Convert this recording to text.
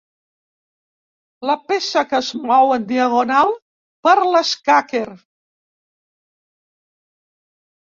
La peça que es mou en diagonal per l'escaquer.